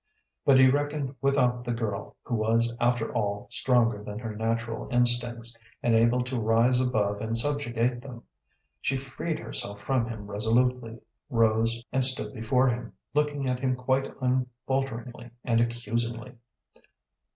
But he reckoned without the girl, who was, after all, stronger than her natural instincts, and able to rise above and subjugate them. She freed herself from him resolutely, rose, and stood before him, looking at him quite unfalteringly and accusingly.